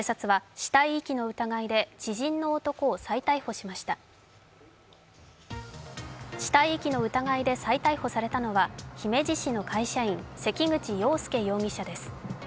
死体遺棄の疑いで再逮捕されたのは姫路市の会社員、関口洋佑容疑者です。